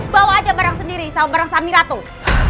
bawa aja barang sendiri sama barang samira tuh